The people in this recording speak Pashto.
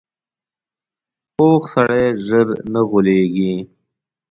پوخ سړی ژر نه غولېږي